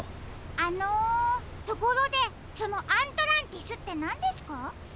あのところでそのアントランティスってなんですか？